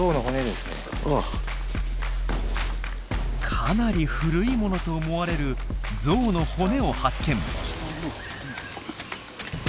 かなり古いものと思われるゾウの骨を発見。